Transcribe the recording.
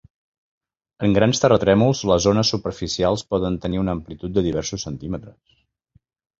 En grans terratrèmols, les ones superficials poden tenir una amplitud de diversos centímetres.